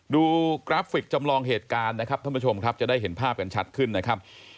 กราฟิกจำลองเหตุการณ์นะครับท่านผู้ชมครับจะได้เห็นภาพกันชัดขึ้นนะครับ